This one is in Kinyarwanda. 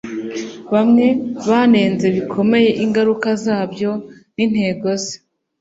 bamwe banenze bikomeye ingaruka zabyo n'intego ze,